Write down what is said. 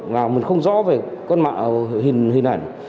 là mình không rõ về con mạng hình ảnh